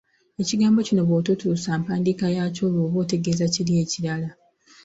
Ekigambo kino bw’ototuusa mpandiika yaakyo, olwo oba otegeeza kiri ekirala.